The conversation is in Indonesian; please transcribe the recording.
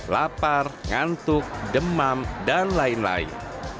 lapar ngantuk demam dan lain lain